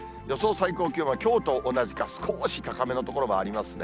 最高気温はきょうと同じか、すこーし高めの所もありますね。